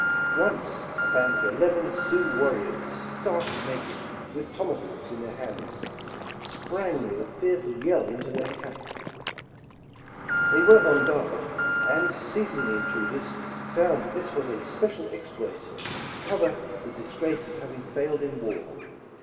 Once a band of eleven Sioux warriors, stark naked, with tomahawks in their hands, sprang with a fearful yell into their camp. They were on guard, and seizing the intruders found this was a special exploit to cover the disgrace of having failed in war.